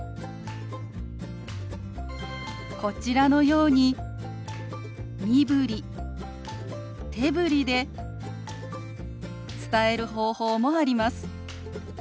こちらのように身振り手振りで伝える方法もあります。